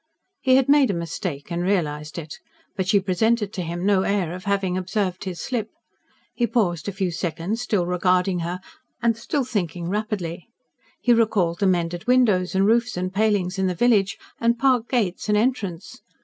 He had made a mistake and realised it. But she presented to him no air of having observed his slip. He paused a few seconds, still regarding her and still thinking rapidly. He recalled the mended windows and roofs and palings in the village, the park gates and entrance.